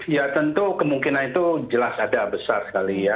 ya tentu kemungkinan itu jelas ada besar sekali ya